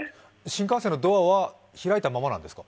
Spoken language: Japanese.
新幹線のドアは開いたままなんですか？